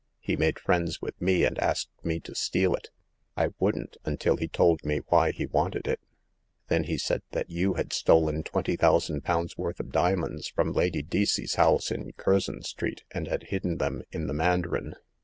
He made friends with me, and asked me to steal it. I wouldn't, until he told me why he wanted it. Then he said that you had stolen twenty thou sand pounds' worth of diamonds from Lady Deacey's house in Curzon Street, and had hid den them in the mandarin.